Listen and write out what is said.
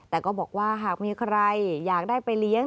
แต่ก็บอกว่าหากมีใครอยากได้ไปเลี้ยง